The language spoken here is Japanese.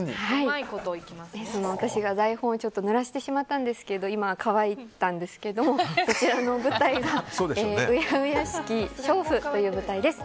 私が台本を濡らしてしまったんですけど今、乾いたんですけどこちらの舞台は「恭しき娼婦」という舞台です。